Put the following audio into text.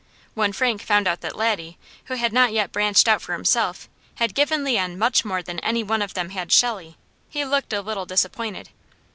When Frank found out that Laddie, who had not yet branched out for himself, had given Leon much more than any one of them had Shelley, he looked a little disappointed.